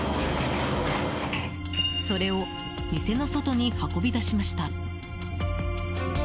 それを、店の外に運び出しました。